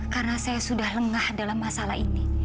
karena saya sudah lengah dalam masalah ini